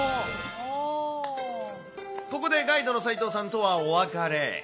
ここでガイドの斎藤さんとはお別れ。